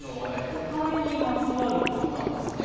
お金にまつわることなんですね。